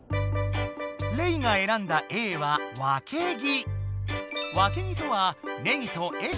レイがえらんだ「Ａ」は「わけぎ」。